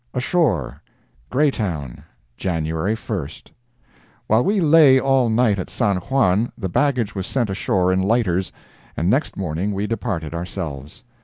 ASHORE GREYTOWN, January 1st.—While we lay all night at San Juan, the baggage was sent ashore in lighters, and next morning we departed ourselves.